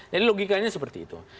jadi logikanya seperti itu